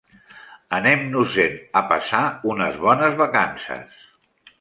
Anem-nos-en a passar unes bones vacances.